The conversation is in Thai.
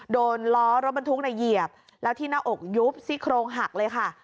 โดนล้อรถบรรทุกเหยียบแล้วที่หน้าอกยุบซี่โครงหักเลยค่ะ